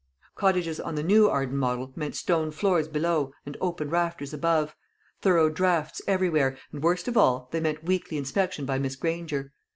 Cottages on the New Arden model meant stone floors below and open rafters above, thorough draughts everywhere, and, worst of all, they meant weekly inspection by Miss Granger.